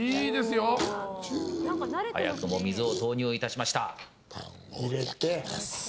早くも水を投入しました。